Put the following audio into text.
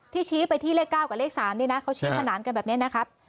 ชี้ไปที่เลข๙กับเลข๓นี่นะเขาชี้ขนานกันแบบนี้นะครับ